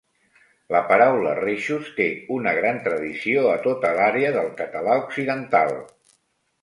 La paraula "reixos" té una gran tradició a tota l’àrea del català occidental.